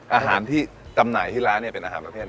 อาหารที่จำหน่ายที่ร้านเป็นอาหารประเภท